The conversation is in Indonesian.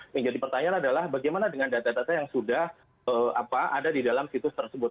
yang jadi pertanyaan adalah bagaimana dengan data data yang sudah ada di dalam situs tersebut